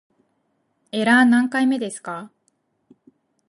エラー何回目ですか